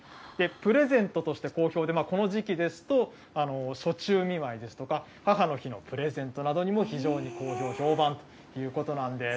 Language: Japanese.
プレゼントとして好評で、この時期ですと、暑中見舞いですとか、母の日のプレゼントにも非常に好評ということなんです。